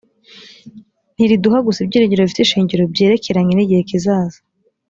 ntiriduha gusa ibyiringiro bifite ishingiro byerekeranye n’igihe kizaza